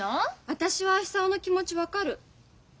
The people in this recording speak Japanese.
私は久男の気持ち分かる。